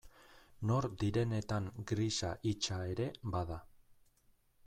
Nor direnetan grisa hitsa ere bada.